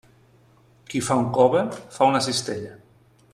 Qui fa un cove, fa una cistella.